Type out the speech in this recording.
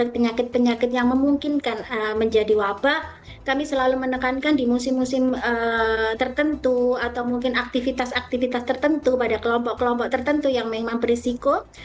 penyakit penyakit yang memungkinkan menjadi wabah kami selalu menekankan di musim musim tertentu atau mungkin aktivitas aktivitas tertentu pada kelompok kelompok tertentu yang memang berisiko